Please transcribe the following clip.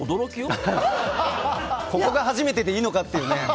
ここが初めてでいいのかっていうね。